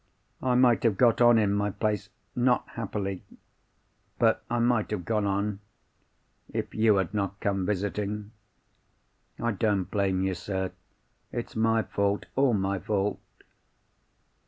I might have got on in my place—not happily—but I might have got on, if you had not come visiting. I don't blame you, sir. It's my fault—all my fault.